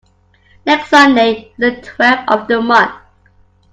Next Sunday is the twelfth of the month.